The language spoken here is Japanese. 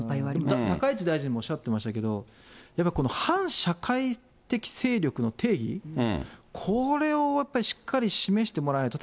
だから高市大臣もおっしゃっていましたけど、やっぱりこの反社会的勢力の定義、これをやっぱりしっかり示してもらわないと。